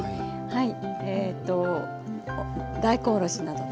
はい。